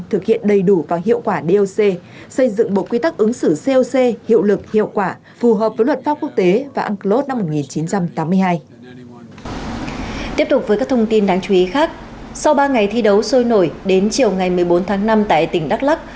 tiếp tục với các thông tin đáng chú ý khác sau ba ngày thi đấu sôi nổi đến chiều ngày một mươi bốn tháng năm tại tỉnh đắk lắc